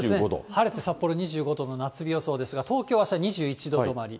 晴れて札幌、２５度の夏日予想ですが、東京はあした２１度止まり。